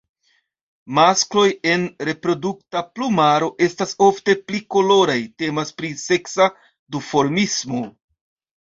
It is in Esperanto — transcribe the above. Maskloj en reprodukta plumaro estas ofte pli koloraj; temas pri seksa duformismo.